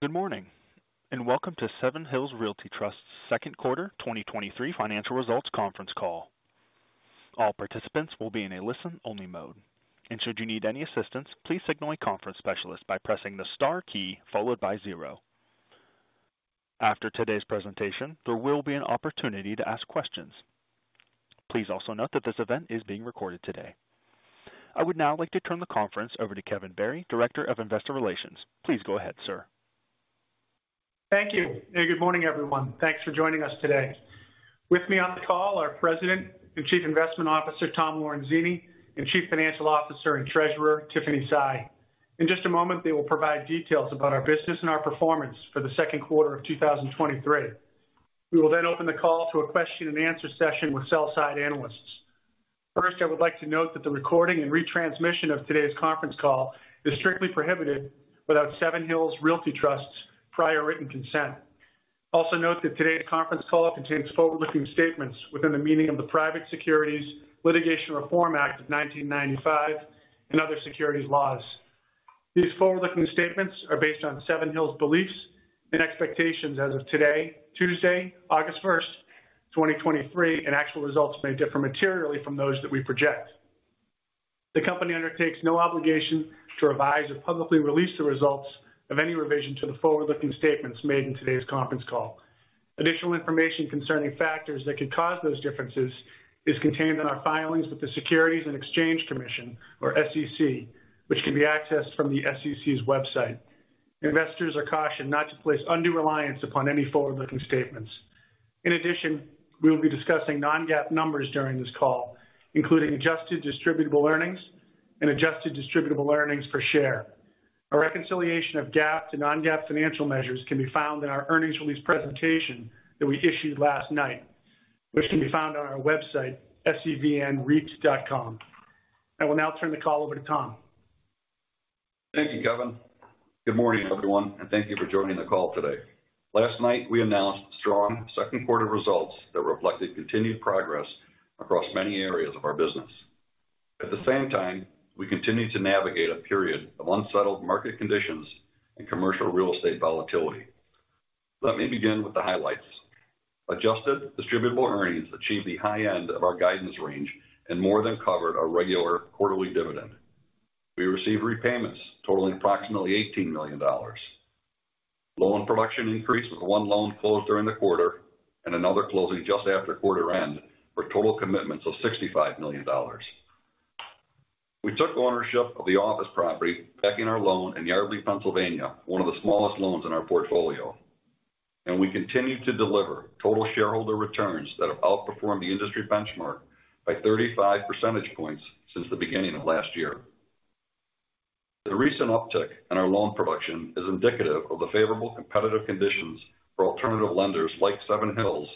Good morning, welcome to Seven Hills Realty Trust's second quarter 2023 financial results conference call. All participants will be in a listen-only mode, should you need any assistance, please signal a conference specialist by pressing the star key followed by zero. After today's presentation, there will be an opportunity to ask questions. Please also note that this event is being recorded today. I would now like to turn the conference over to Kevin Barry, Director of Investor Relations. Please go ahead, sir. Thank you. Good morning, everyone. Thanks for joining us today. With me on the call are President and Chief Investment Officer Tom Lorenzini and Chief Financial Officer and Treasurer Tiffany Sy. In just a moment, they will provide details about our business and our performance for the second quarter of 2023. We will open the call to a question and answer session with sell-side analysts. First, I would like to note that the recording and retransmission of today's conference call is strictly prohibited without Seven Hills Realty Trust's prior written consent. Also note that today's conference call contains forward-looking statements within the meaning of the Private Securities Litigation Reform Act of 1995 and other securities laws. These forward-looking statements are based on Seven Hills beliefs and expectations as of today, Tuesday, August 1st, 2023, and actual results may differ materially from those that we project. The company undertakes no obligation to revise or publicly release the results of any revision to the forward-looking statements made in today's conference call. Additional information concerning factors that could cause those differences is contained in our filings with the Securities and Exchange Commission, or SEC, which can be accessed from the SEC's website. Investors are cautioned not to place undue reliance upon any forward-looking statements. In addition, we will be discussing non-GAAP numbers during this call, including adjusted distributable earnings and adjusted distributable earnings per share. A reconciliation of GAAP to non-GAAP financial measures can be found in our earnings release presentation that we issued last night, which can be found on our website, sevnreit.com. I will now turn the call over to Tom. Thank you, Kevin. Good morning, everyone, thank you for joining the call today. Last night, we announced strong second quarter results that reflected continued progress across many areas of our business. At the same time, we continue to navigate a period of unsettled market conditions and commercial real estate volatility. Let me begin with the highlights. Adjusted distributable earnings achieved the high end of our guidance range more than covered our regular quarterly dividend. We received repayments totaling approximately $18 million. Loan production increased, with 1 loan closed during the quarter another closing just after quarter end for total commitments of $65 million. We took ownership of the office property, backing our loan in Yardley, Pennsylvania, one of the smallest loans in our portfolio. We continue to deliver total shareholder returns that have outperformed the industry benchmark by 35 percentage points since the beginning of last year. The recent uptick in our loan production is indicative of the favorable competitive conditions for alternative lenders like Seven Hills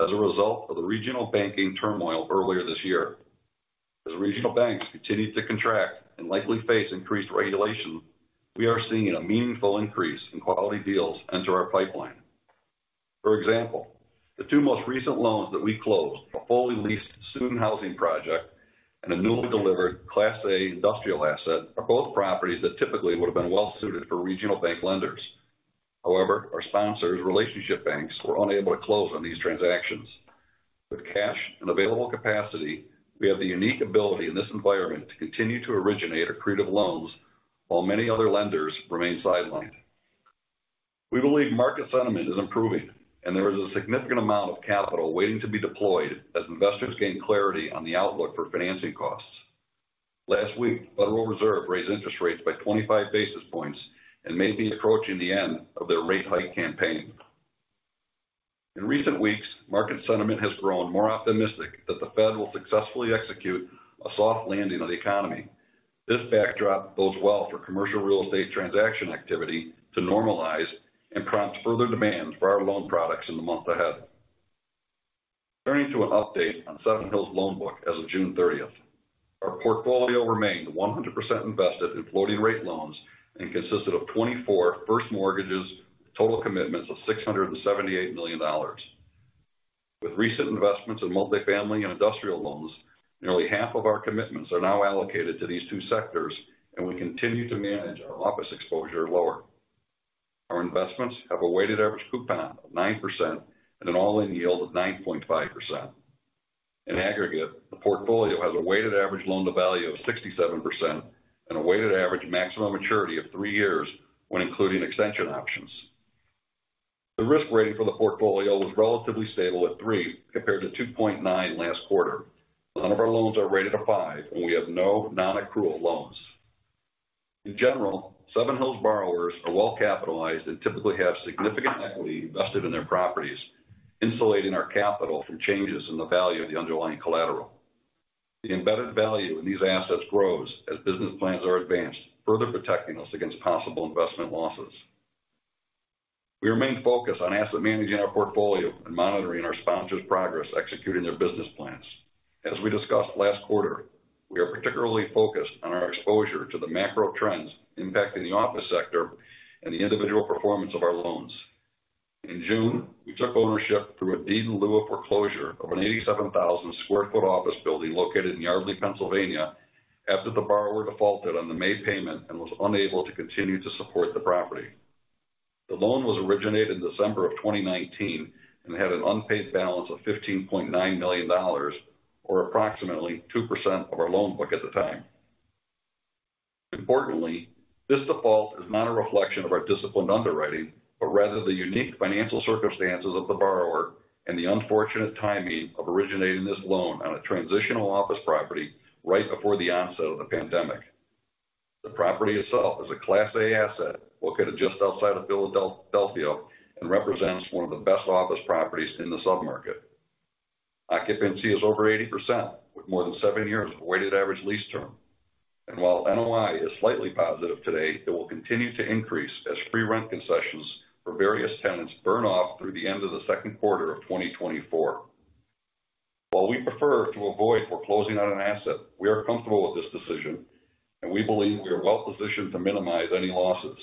as a result of the regional banking turmoil earlier this year. As regional banks continue to contract and likely face increased regulation, we are seeing a meaningful increase in quality deals enter our pipeline. For example, the two most recent loans that we closed, a fully leased student housing project and a newly delivered Class A industrial asset, are both properties that typically would have been well suited for regional bank lenders. However, our sponsors' relationship banks were unable to close on these transactions. With cash and available capacity, we have the unique ability in this environment to continue to originate accretive loans while many other lenders remain sidelined. We believe market sentiment is improving and there is a significant amount of capital waiting to be deployed as investors gain clarity on the outlook for financing costs. Last week, Federal Reserve raised interest rates by 25 basis points and may be approaching the end of their rate hike campaign. In recent weeks, market sentiment has grown more optimistic that the Fed will successfully execute a soft landing of the economy. This backdrop bodes well for commercial real estate transaction activity to normalize and prompt further demand for our loan products in the months ahead. Turning to an update on Seven Hills' loan book as of June thirtieth. Our portfolio remained 100% invested in floating rate loans and consisted of 24 first mortgages, total commitments of $678 million. With recent investments in multifamily and industrial loans, nearly half of our commitments are now allocated to these two sectors, we continue to manage our office exposure lower. Our investments have a weighted average coupon of 9% and an all-in yield of 9.5%. In aggregate, the portfolio has a weighted average loan-to-value of 67% and a weighted average maximum maturity of three years when including extension options. The risk rating for the portfolio was relatively stable at three, compared to 2.9 last quarter. None of our loans are rated a five, and we have no non-accrual loans. In general, Seven Hills borrowers are well capitalized and typically have significant equity invested in their properties, insulating our capital from changes in the value of the underlying collateral. The embedded value in these assets grows as business plans are advanced, further protecting us against possible investment losses. We remain focused on asset managing our portfolio and monitoring our sponsors' progress executing their business plans. As we discussed last quarter, we are particularly focused on our exposure to the macro trends impacting the office sector and the individual performance of. In June, we took ownership through a deed in lieu of foreclosure of an 87,000 sq ft office building located in Yardley, Pennsylvania, after the borrower defaulted on the May payment and was unable to continue to support the property. The loan was originated in December of 2019, and had an unpaid balance of $15.9 million, or approximately 2% of our loan book at the time. Importantly, this default is not a reflection of our disciplined underwriting, but rather the unique financial circumstances of the borrower and the unfortunate timing of originating this loan on a transitional office property right before the onset of the pandemic. The property itself is a Class A asset located just outside of Philadelphia, and represents one of the best office properties in the submarket. Occupancy is over 80%, with more than 7 years of weighted average lease term. While NOI is slightly positive today, it will continue to increase as free rent concessions for various tenants burn off through the end of the second quarter of 2024. While we prefer to avoid foreclosing on an asset, we are comfortable with this decision, and we believe we are well positioned to minimize any losses.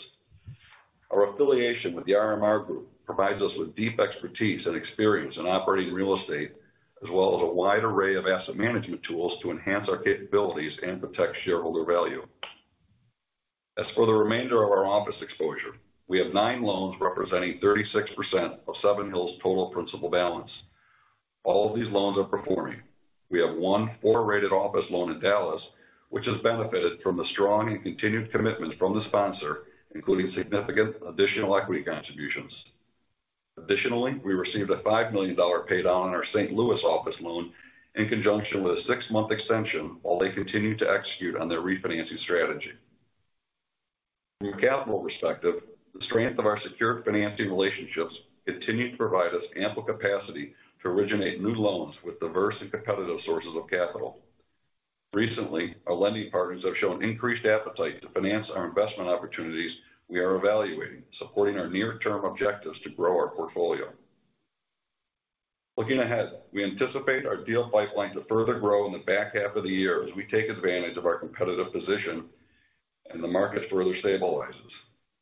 Our affiliation with The RMR Group provides us with deep expertise and experience in operating real estate, as well as a wide array of asset management tools to enhance our capabilities and protect shareholder value. As for the remainder of our office exposure, we have 9 loans representing 36% of Seven Hills' total principal balance. All of these loans are performing. We have 1 4-rated office loan in Dallas, which has benefited from the strong and continued commitment from the sponsor, including significant additional equity contributions. Additionally, we received a $5 million paydown on our St. Louis office loan in conjunction with a 6-month extension while they continue to execute on their refinancing strategy. From a capital perspective, the strength of our secured financing relationships continue to provide us ample capacity to originate new loans with diverse and competitive sources of capital. Recently, our lending partners have shown increased appetite to finance our investment opportunities we are evaluating, supporting our near-term objectives to grow our portfolio. Looking ahead, we anticipate our deal pipeline to further grow in the back half of the year as we take advantage of our competitive position and the market further stabilizes.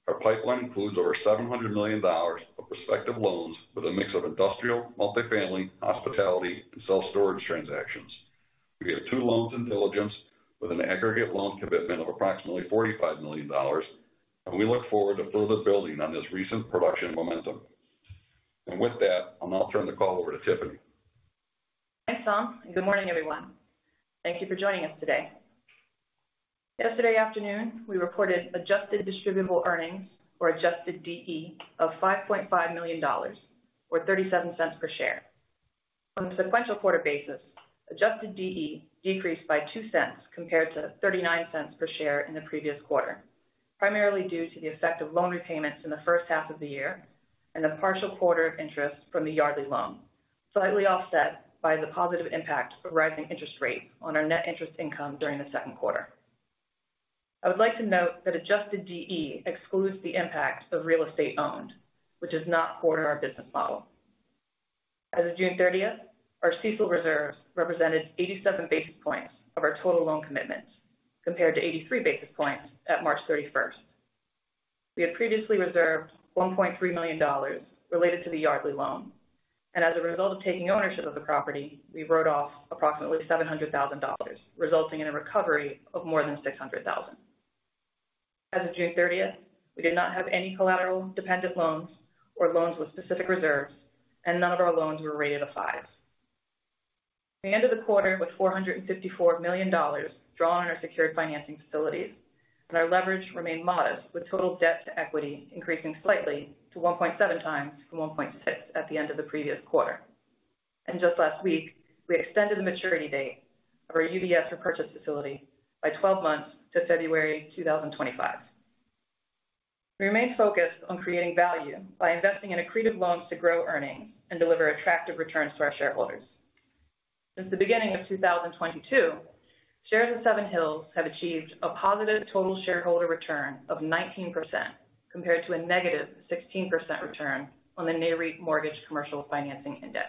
Our pipeline includes over $700 million of prospective loans with a mix of industrial, multifamily, hospitality, and self-storage transactions. We have two loans in diligence with an aggregate loan commitment of approximately $45 million. We look forward to further building on this recent production momentum. With that, I'll now turn the call over to Tiffany. Thanks, Tom. Good morning, everyone. Thank you for joining us today. Yesterday afternoon, we reported adjusted distributable earnings, or adjusted DE, of $5.5 million, or $0.37 per share. On a sequential quarter basis, adjusted DE decreased by $0.02 compared to $0.39 per share in the previous quarter, primarily due to the effect of loan repayments in the first half of the year and a partial quarter of interest from the Yardley loan, slightly offset by the positive impact of rising interest rates on our net interest income during the second quarter. I would like to note that adjusted DE excludes the impact of real estate owned, which is not core to our business model. As of June 30th, our CECL reserves represented 87 basis points of our total loan commitments, compared to 83 basis points at March 31st. We had previously reserved $1.3 million related to the Yardley loan. As a result of taking ownership of the property, we wrote off approximately $700,000, resulting in a recovery of more than $600,000. As of June 30th, we did not have any collateral-dependent loans or loans with specific reserves. None of our loans were rated a five. We ended the quarter with $454 million drawn on our secured financing facilities. Our leverage remained modest, with total debt to equity increasing slightly to 1.7x from 1.6x at the end of the previous quarter. Just last week, we extended the maturity date of our UBS repurchase facility by 12 months to February 2025. We remain focused on creating value by investing in accretive loans to grow earnings and deliver attractive returns to our shareholders. Since the beginning of 2022, shares of Seven Hills have achieved a positive total shareholder return of 19%, compared to a negative 16% return on the Nareit Mortgage Commercial Financing Index.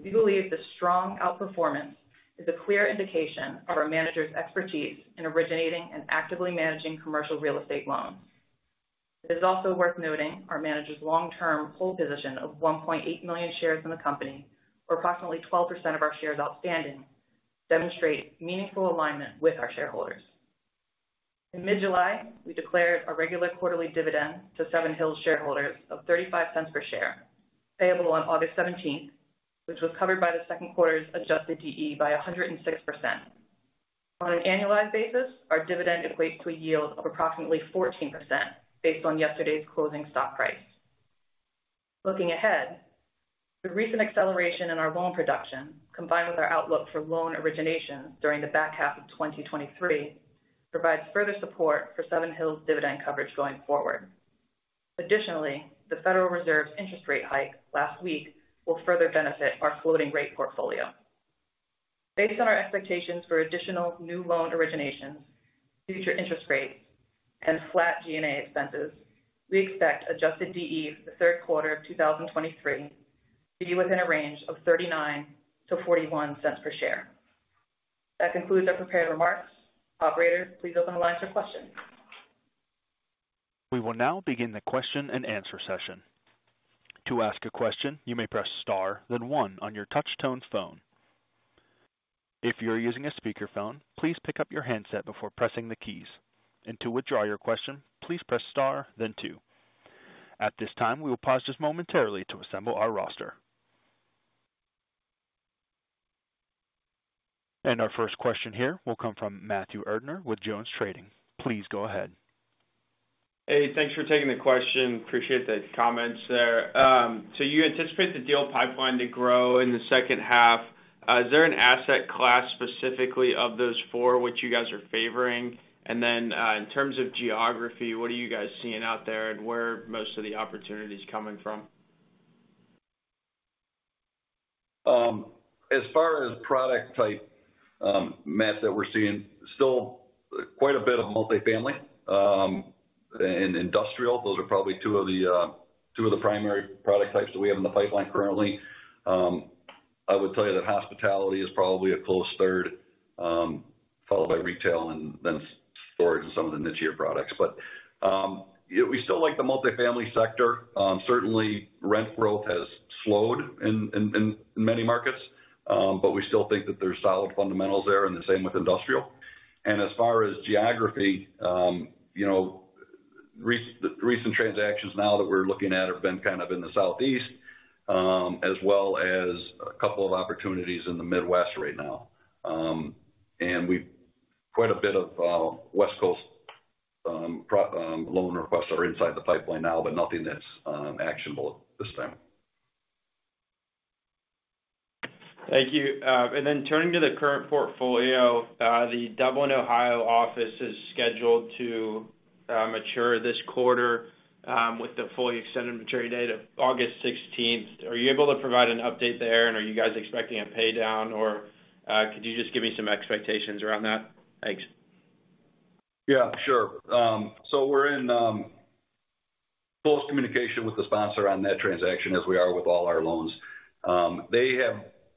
We believe the strong outperformance is a clear indication of our managers' expertise in originating and actively managing commercial real estate loans. It is also worth noting our managers' long-term hold position of 1.8 million shares in the company, or approximately 12% of our shares outstanding, demonstrate meaningful alignment with our shareholders. In mid-July, we declared a regular quarterly dividend to Seven Hills shareholders of $0.35 per share, payable on August 17th, which was covered by the second quarter's adjusted DE by 106%. On an annualized basis, our dividend equates to a yield of approximately 14% based on yesterday's closing stock price. Looking ahead, the recent acceleration in our loan production, combined with our outlook for loan originations during the back half of 2023, provides further support for Seven Hills' dividend coverage going forward. The Federal Reserve's interest rate hike last week will further benefit our floating rate portfolio. Based on our expectations for additional new loan originations, future interest rates, and flat G&A expenses, we expect adjusted DE for the third quarter of 2023 to be within a range of $0.39 to $0.41 per share. That concludes our prepared remarks. Operator, please open the line for questions. We will now begin the question-and-answer session. To ask a question, you may press star, then one on your touchtone phone. If you're using a speakerphone, please pick up your handset before pressing the keys. To withdraw your question, please press star then two. At this time, we will pause just momentarily to assemble our roster. Our first question here will come from Matthew Erdner with Jones Trading. Please go ahead. Hey, thanks for taking the question. Appreciate the comments there. You anticipate the deal pipeline to grow in the second half. Is there an asset class, specifically of those four, which you guys are favoring? Then, in terms of geography, what are you guys seeing out there, and where are most of the opportunities coming from? As far as product type, Matt, that we're seeing, still quite a bit of multifamily, and industrial. Those are probably two of the two of the primary product types that we have in the pipeline currently. I would tell you that hospitality is probably a close third, followed by retail and then storage and some of the nichier products. Yeah, we still like the multifamily sector. Certainly rent growth has slowed in, in, in many markets, we still think that there's solid fundamentals there, and the same with industrial. As far as geography, you know, recent transactions now that we're looking at have been kind of in the Southeast, as well as a couple of opportunities in the Midwest right now. We've quite a bit of West Coast, pro, loan requests are inside the pipeline now, but nothing that's actionable at this time. Thank you. Turning to the current portfolio, the Dublin, Ohio, office is scheduled to mature this quarter, with the fully extended maturity date of August 16th. Are you able to provide an update there, and are you guys expecting a pay down, or could you just give me some expectations around that? Thanks. Yeah, sure. We're in close communication with the sponsor on that transaction, as we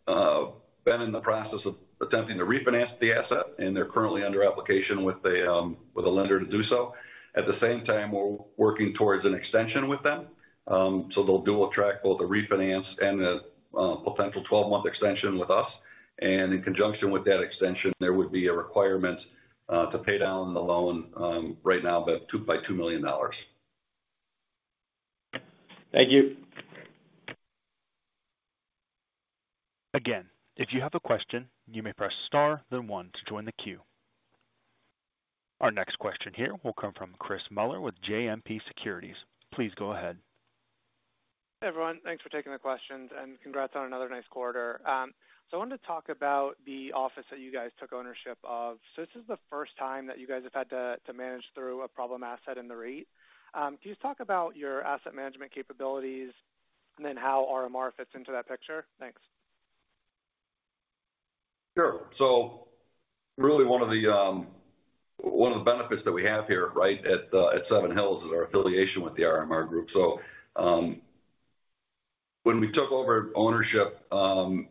are with all our loans. They have been in the process of attempting to refinance the asset, and they're currently under application with a lender to do so. At the same time, we're working towards an extension with them. They'll dual track both the refinance and the potential 12-month extension with us, and in conjunction with that extension, there would be a requirement to pay down the loan, right now, by two, by $2 million. Thank you. Again, if you have a question, you may press star then one to join the queue. Our next question here will come from Chris Mueller with JMP Securities. Please go ahead. Hey, everyone. Thanks for taking the questions, and congrats on another nice quarter. I wanted to talk about the office that you guys took ownership of. This is the first time that you guys have had to, to manage through a problem asset in the REIT. Can you talk about your asset management capabilities and then how RMR fits into that picture? Thanks. Sure. Really one of the benefits that we have here, right, at Seven Hills is our affiliation with The RMR Group. When we took over ownership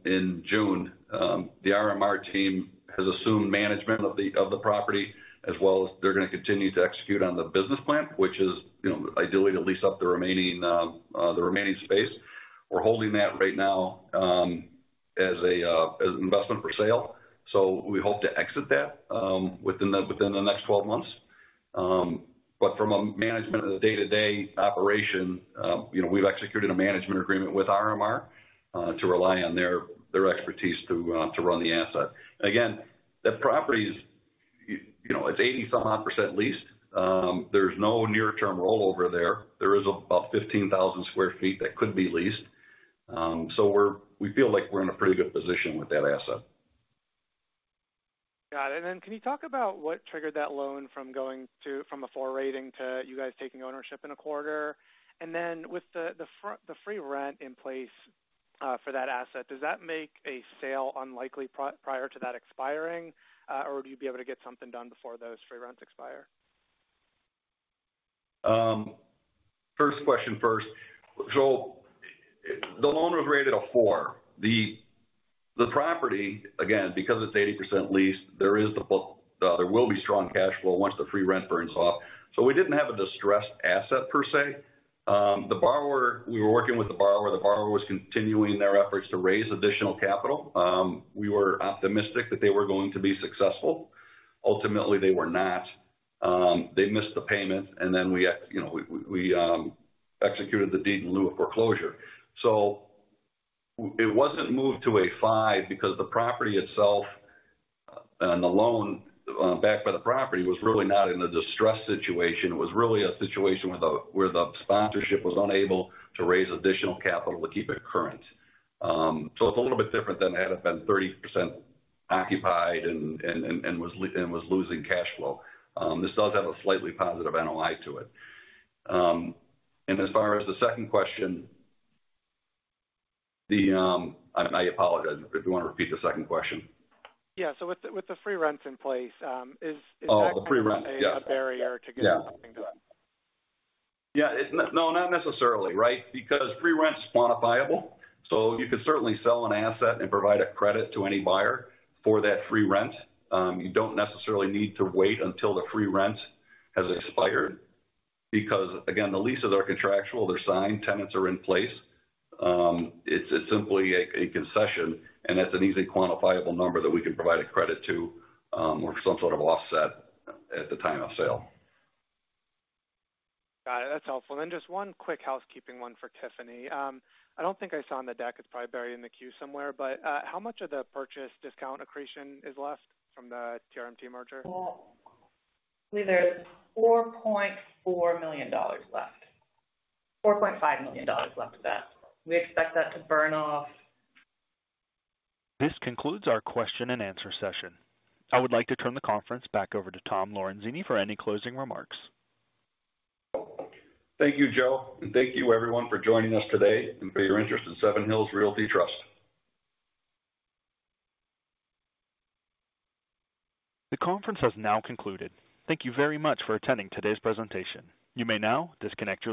in June, The RMR team has assumed management of the property, as well as they're going to continue to execute on the business plan, which is, you know, ideally to lease up the remaining, the remaining space. We're holding that right now as investment for sale, so we hope to exit that within the next 12 months. But from a management of the day-to-day operation, you know, we've executed a management agreement with The RMR Group to rely on their expertise to run the asset. Again, the property is, you know, it's 80 some odd % leased. There's no near-term rollover there. There is about 15,000 sq ft that could be leased. We feel like we're in a pretty good position with that asset. Got it. Then can you talk about what triggered that loan from going to, from a four rating to you guys taking ownership in a quarter? Then with the free rent in place for that asset, does that make a sale unlikely prior to that expiring, or would you be able to get something done before those free rents expire? First question first. The loan was rated a four. The property, again, because it's 80% leased, there will be strong cash flow once the free rent burns off. We didn't have a distressed asset per se. The borrower, we were working with the borrower. The borrower was continuing their efforts to raise additional capital. We were optimistic that they were going to be successful. Ultimately, they were not. They missed the payment, and then we, you know, we, we executed the deed in lieu of foreclosure. It wasn't moved to a five because the property itself and the loan, backed by the property, was really not in a distressed situation. It was really a situation where the, where the sponsorship was unable to raise additional capital to keep it current. It's a little bit different than had it been 30% occupied and was losing cash flow. This does have a slightly positive NOI to it. As far as the second question, I apologize, if you want to repeat the second question? Yeah. with the, with the free rents in place, is, is that- Oh, the free rent? a barrier to getting something done? Yeah. It's no, not necessarily, right? Free rent is quantifiable, so you could certainly sell an asset and provide a credit to any buyer for that free rent. You don't necessarily need to wait until the free rent has expired because, again, the leases are contractual, they're signed, tenants are in place. It's, it's simply a, a concession, and that's an easy, quantifiable number that we can provide a credit to, or some sort of offset at the time of sale. Got it. That's helpful. Just one quick housekeeping one for Tiffany. I don't think I saw on the deck, it's probably buried in the queue somewhere, but, how much of the purchase discount accretion is left from the TRMT merger? Well, there's $4.4 million left. $4.5 million left of that. We expect that to burn off. This concludes our question-and-answer session. I would like to turn the conference back over to Tom Lorenzini for any closing remarks. Thank you, Joe, and thank you everyone for joining us today and for your interest in Seven Hills Realty Trust. The conference has now concluded. Thank you very much for attending today's presentation. You may now disconnect your line.